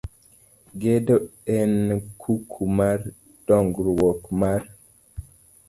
Gedo en kuku mar dongruok mar